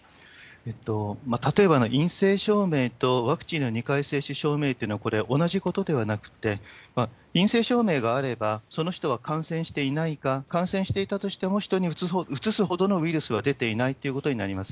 例えば、陰性証明とワクチンの２回接種証明というのは、これ、同じことではなくって、陰性証明があれば、その人は感染していないか、感染していたとしても、人にうつすほどのウイルスは出ていないということになります。